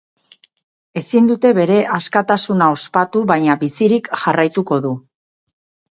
Ezin dute bere askatasuna ospatu, baina bizirik jarraituko du.